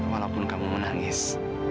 walaupun kamu menangis